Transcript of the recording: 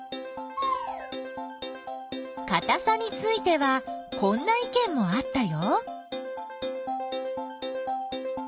かたさについてはこんないけんもあったよ。